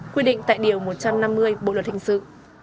quy định tại điều một trăm năm mươi bộ luật hình sự